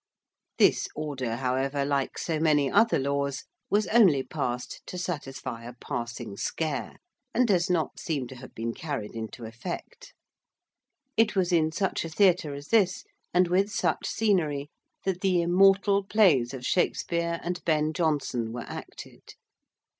This order, however, like so many other laws, was only passed to satisfy a passing scare and does not seem to have been carried into effect. It was in such a theatre as this and with such scenery that the immortal plays of Shakespeare and Ben Jonson were acted.